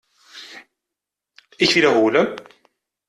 Ich wiederhole!